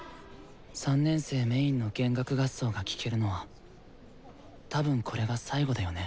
３年生メインの弦楽合奏が聴けるのはたぶんこれが最後だよね。